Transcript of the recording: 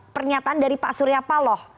pernyataan dari pak surya paloh